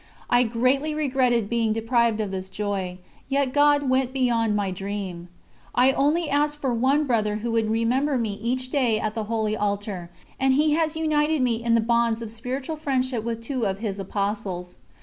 I greatly regretted being deprived of this joy. Yet God went beyond my dream; I only asked for one brother who would remember me each day at the Holy Altar, and He has united me in the bonds of spiritual friendship with two of His apostles.